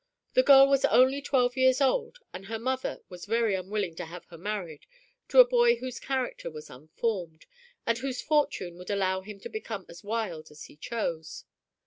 The girl was only twelve years old, and her mother was very unwilling to have her married to a boy whose character was unformed, and whose fortune would allow him to become as wild as he chose.